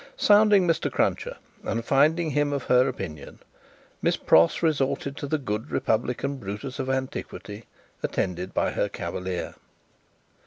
Sounding Mr. Cruncher, and finding him of her opinion, Miss Pross resorted to the Good Republican Brutus of Antiquity, attended by her cavalier.